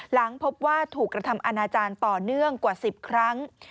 หลังพบว่าถูกกระทำอาณาจารย์ต่อเนื่องกว่า๑๐ครั้ง